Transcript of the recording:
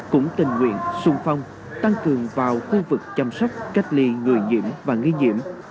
cũng tình nguyện sung phong tăng cường vào khu vực chăm sóc cách ly người nhiễm và nghi nhiễm